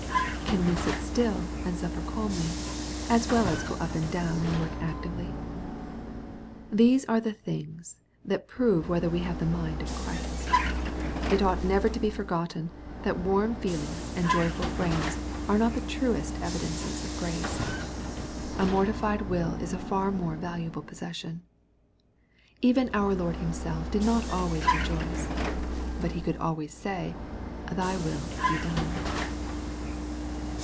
Can we sit still, and suffer calmly, as well as go up and down and work actively ? These are the things that prove whether we have the mind of Christ. It ought never to be forgotten, that warm feelings and joyful MATTHEW, CHAP. XX YI^ 865 frames are not the truest evidences of grace. A morti fied will is a far more valuable possession. Even our Lord Himself did not always rejoice ; but He could always say, " Thy will be done."